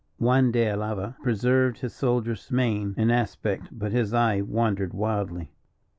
Juan de Alava preserved his soldier's mien and aspect, but his eye wandered wildly.